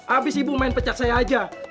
abis ibu main pecat saya aja